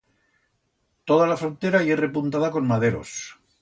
Toda la frontera ye repuntada con maderos.